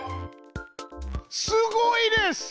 すごいです！